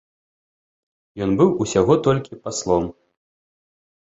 Ён быў усяго толькі паслом.